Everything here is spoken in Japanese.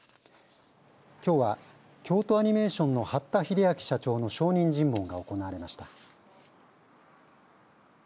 きょうは京都アニメーションの八田英明社長の証人尋問が行われました。